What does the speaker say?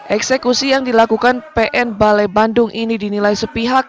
eksekusi yang dilakukan pn balai bandung ini dinilai sepihak